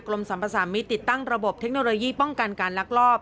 สัมพสามิตรติดตั้งระบบเทคโนโลยีป้องกันการลักลอบ